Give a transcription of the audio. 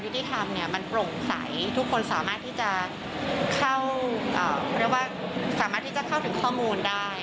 ได้อย่างเยอะมากมาย